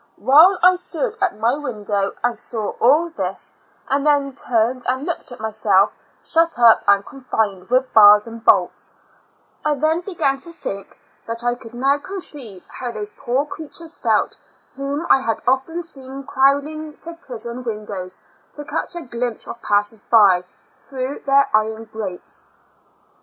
While I stood at my window and saw all this, and then turned and looked at myself, shut up and confined with bars and bolts, I then began to think that I could now conceive how those poor creatures felt whom I had often seen 50 Two Years and Four Months crowding to prison windows to catch a glimpse of passers bj, through their iron grates.